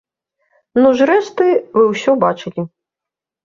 Ну зрэшты вы ўсё бачылі.